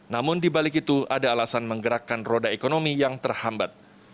namun dibalik itu ada alasan menggerakkan roda ekonomi yang terhambat